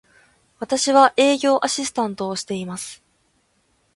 私は、営業アシスタントをしています。